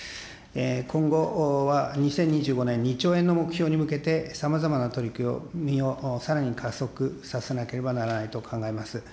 今後は２０２５年、２兆円の目標に向けて、さまざまな取り組みをさらに加速させなければならないと考えます。